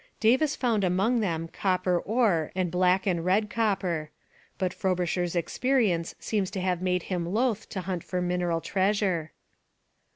Davis found among them copper ore and black and red copper. But Frobisher's experience seems to have made him loath to hunt for mineral treasure.